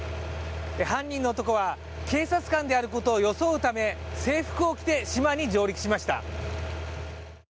犯人の男は、警察官であることを装うため制服を着て島に上陸しました。